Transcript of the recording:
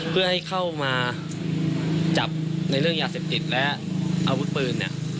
เพื่อให้เข้ามาจับในเรื่องยาเสพติดและอาวุธปืน